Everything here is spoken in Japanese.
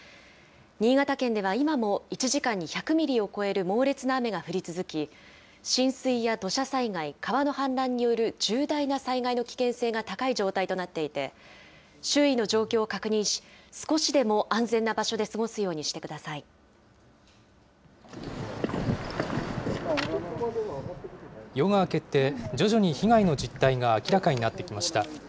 新潟県では今も１時間に１００ミリを超える猛烈な雨が降り続き、浸水や土砂災害、川の氾濫による重大な災害の危険性が高い状態となっていて、周囲の状況を確認し、少しでも安全な場所で過ごすよう夜が明けて、徐々に被害の実態が明らかになってきました。